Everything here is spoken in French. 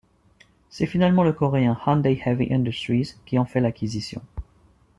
C'est finalement le coréen Hyundai Heavy Industries qui en a fait l'acquisition.